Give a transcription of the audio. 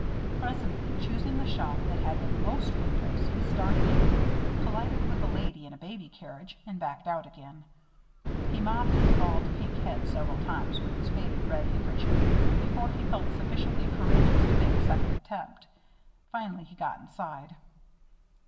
Presently, choosing the shop that had the most windows, he started in, collided with a lady and a baby carriage and backed out again. He mopped his bald pink head several times with his faded red handkerchief before he felt sufficiently courageous to make a second attempt. Finally he got inside.